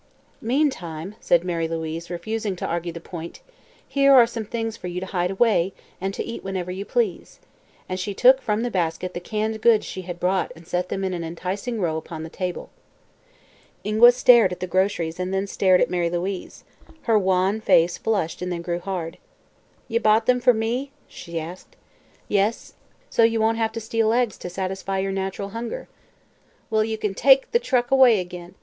"Meantime," said Mary Louise, refusing to argue the point, "here are some little things for you to hide away, and to eat whenever you please," and she took from the basket the canned goods she had bought and set them in an enticing row upon the table. Ingua stared at the groceries and then stared at Mary Louise. Her wan face flushed and then grew hard. "Ye bought them fer me?" she asked. "Yes; so you won't have to steal eggs to satisfy your natural hunger." "Well, ye kin take the truck away ag'in.